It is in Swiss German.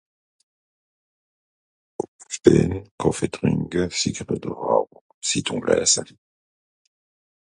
uffstehn, kàffee trinke, cigarettel rauche, zittung läse